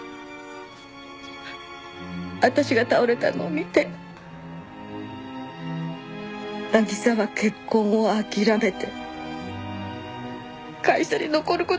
私が倒れたのを見て渚は結婚を諦めて会社に残る事にした。